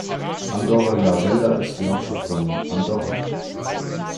Andorra la Vella ist die Hauptstadt von Andorra.